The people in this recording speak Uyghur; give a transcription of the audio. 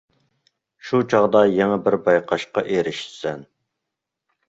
شۇ چاغدا يېڭى بىر بايقاشقا ئېرىشىسەن.